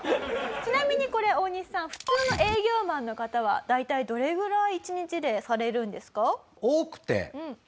ちなみにこれオオニシさん普通の営業マンの方は大体どれぐらい１日でされるんですか？